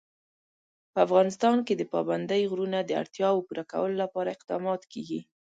په افغانستان کې د پابندی غرونه د اړتیاوو پوره کولو لپاره اقدامات کېږي.